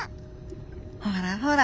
ほらほら！